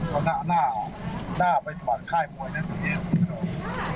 เขาหน้าไปสมัครค่ายมวยนะสักที